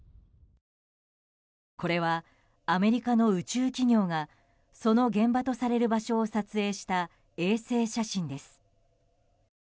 これはアメリカの宇宙企業がその現場とされる場所を撮影した衛星写真です。